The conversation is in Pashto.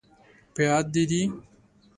په یاد، دې دي؟